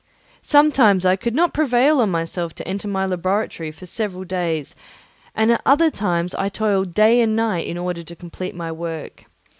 Sometimes I could not prevail on myself to enter my laboratory for several days, and at other times I toiled day and night in order to complete my work.